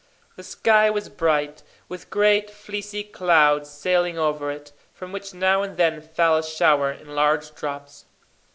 The sky was bright, with great fleecy clouds sailing over it, from which now and then fell a shower in large drops.